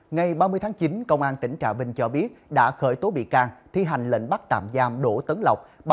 ngày ba mươi tháng chín công an tỉnh trà vinh cho biết đã khởi tố bị can thi hành lệnh bắt tạm giam đỗ tấn lộc